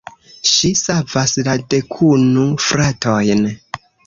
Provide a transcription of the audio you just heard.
Ŝi savas la dekunu fratojn.